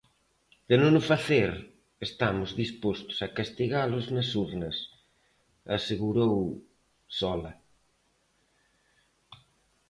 De non o facer, estamos dispostos a castigalos nas urnas, asegurou Sola.